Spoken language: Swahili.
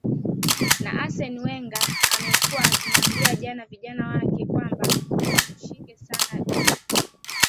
na assen wenga amekuwa akiwambia jana vijana wake kwamba wamshike sana drogba